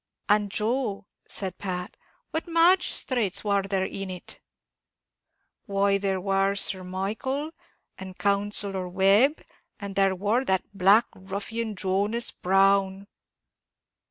"And Joe," said Pat, "what magisthrates war there in it?" "Why, there war Sir Michael, and Counsellor Webb, and there war that black ruffian Jonas Brown."